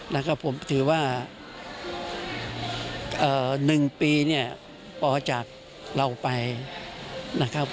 และก็ผมถือว่า๑ปีนี่ปจากเราไปนะครับ